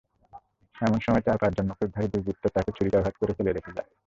এমন সময় চার-পাঁচজন মুখোশধারী দুর্বৃত্ত তাঁকে ছুরিকাঘাত করে ফেলে রেখে যায়।